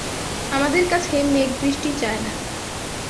আমাদের কাছে মেঘ-বৃষ্টি চায় না।